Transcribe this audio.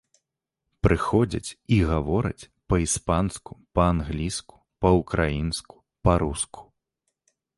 Прыходзяць і гавораць па-іспанску, па-англійску, па-ўкраінску, па-руску.